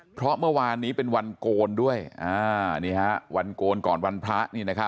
เพราะเมื่อวานนี้เป็นวันโกนด้วยนี่ฮะวันโกนก่อนวันพระนี่นะครับ